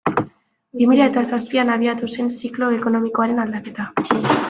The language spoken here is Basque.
Bi mila eta zazpian abiatu zen ziklo ekonomikoaren aldaketa.